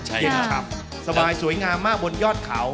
สวัสดีสวยงามมากบนยอดเขา